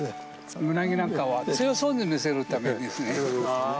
胸毛なんかは強そうに見せるためですね。